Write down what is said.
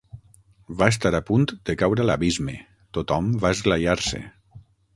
Va estar a punt de caure a l'abisme: tothom va esglaiar-se.